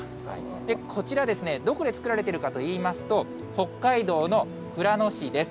こちら、どこで作られているかといいますと、北海道の富良野市です。